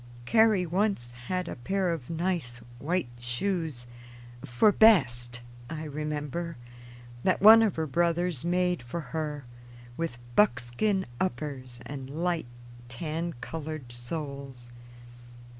Carrie once had a pair of nice white shoes "for best," I remember, that one of her brothers made for her, with buckskin uppers and light tan colored soles.